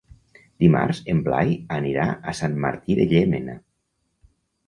Dimarts en Blai anirà a Sant Martí de Llémena.